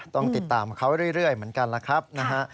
ต้องติดตามเขาเรื่อยเหมือนกันล่ะครับนะฮะ